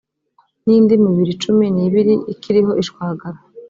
n indi mibiri cumi n ibiri ikiriho ishwagara